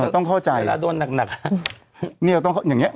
นอนไต้อื่นแล้วอย่าแว้งนะ